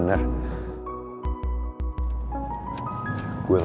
ternyata feeling gue bener